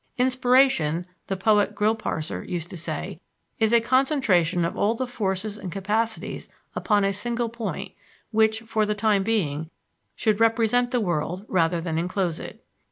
"Inspiration," the poet Grillparzer used to say, "is a concentration of all the forces and capacities upon a single point which, for the time being, should represent the world rather than enclose it.